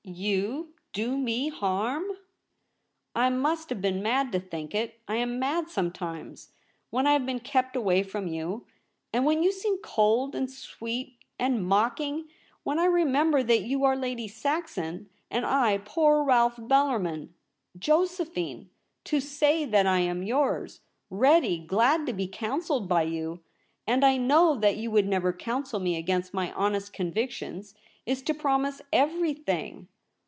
' Vozi do me harm ?... I must have been mad to think it ; I am mad sometimes — when I have been kept away from you, and when you seem cold and sweet 16 — 2 244 THE REBEL ROSE. and mocking — when I remember that you are Lady Saxon, and I poor Rolfe Bellarmin. Josephine — to say that I am yours — ready — glad to be counselled by you, and I know that you would never counsel me against my honest convictions, Is to promise everything.